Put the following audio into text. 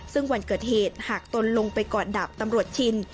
ซึ่งวันเกิดเหตุหากตนลงไปกอดดาบตำรวจชิน